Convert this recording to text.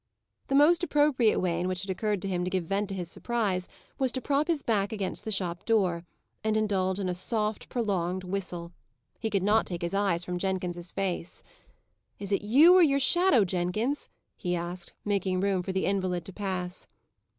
The most appropriate way in which it occurred to him to give vent to his surprise, was to prop his back against the shop door, and indulge in a soft, prolonged whistle. He could not take his eyes from Jenkins's face. "Is it you, or your shadow, Jenkins?" he asked, making room for the invalid to pass.